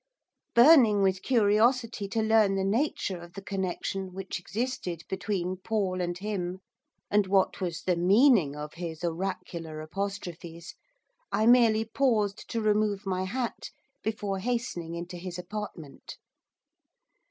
Burning with curiosity to learn the nature of the connection which existed between Paul and him, and what was the meaning of his oracular apostrophes, I merely paused to remove my hat before hastening into his apartment.